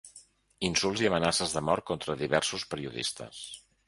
Insults i amenaces de mort contra diversos periodistes.